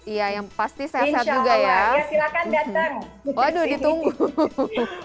iya yang pasti sehat sehat juga ya